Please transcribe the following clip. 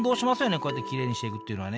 こうやってきれいにしていくっていうのはね。